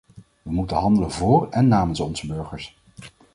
We moeten handelen voor en namens onze burgers.